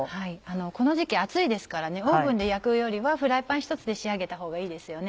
この時期暑いですからオーブンで焼くよりはフライパンひとつで仕上げたほうがいいですよね。